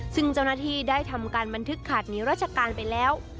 ซึ่งเจ้าหน้าที่ได้ทำการบันทึกขาดหนีราชการไปแล้ว